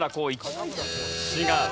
違う。